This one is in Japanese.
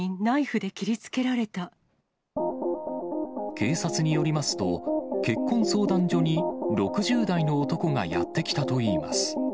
警察によりますと、結婚相談所に６０代の男がやって来たといいます。